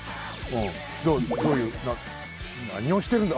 どういうなにをしてるんだ。